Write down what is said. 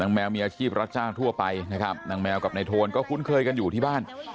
แมวมีอาชีพรับจ้างทั่วไปนะครับนางแมวกับนายโทนก็คุ้นเคยกันอยู่ที่บ้าน